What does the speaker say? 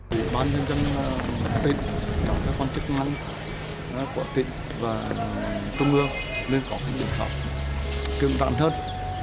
vị bán nhân dân tịnh các con chức năng của tịnh và công ương nên có hình thức khỏe